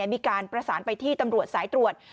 มีการประสานไปที่ตำรวจสายตรวจ